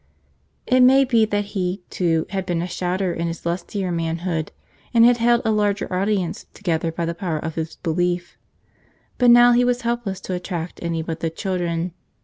It may be that he, too, had been a shouter in his lustier manhood, and had held a larger audience together by the power of his belief; but now he was helpless to attract any but the children.